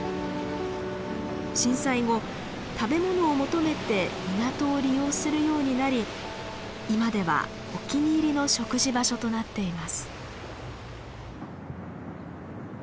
震災後食べ物を求めて港を利用するようになり今ではお気に入りの食事場所となっています。